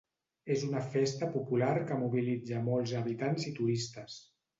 És una festa popular que mobilitza molts habitants i turistes.